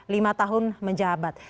lima tahun menjahat